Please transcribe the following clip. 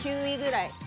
９位ぐらい。